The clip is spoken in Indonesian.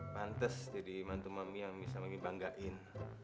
pantes jadi mantu mami yang bisa mami banggain